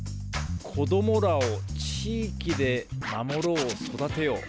子どもらを地域で守ろう育てよう。